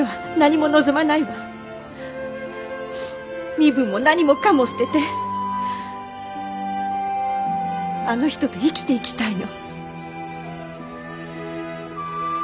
身分も何もかも捨ててあの人と生きていきたいの。